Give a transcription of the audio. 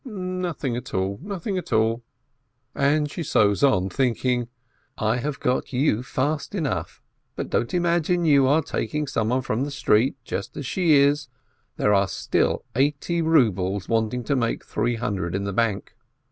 "Nothing at all, nothing at all." And she sews on, thinking, "I have got you fast enough, but don't imagine you are taking somebody from the street, just as she is; there are still eighty rubles wanting to make three hundred in the bank."